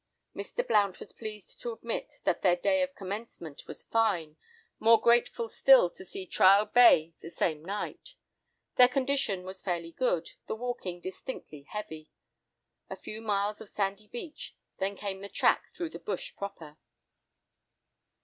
Mr. Blount was pleased to admit that their day of commencement was fine; more grateful still to see Trial Bay the same night. Their condition was fairly good, the walking distinctly heavy. A few miles of sandy beach, then came the track through the bush proper.